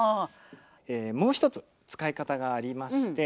もう一つ使い方がありまして